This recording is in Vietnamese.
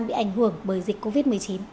bị ảnh hưởng bởi dịch covid một mươi chín